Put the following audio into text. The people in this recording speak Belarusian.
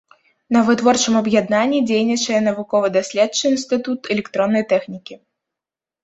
На вытворчым аб'яднанні дзейнічае навукова-даследчы інстытут электроннай тэхнікі.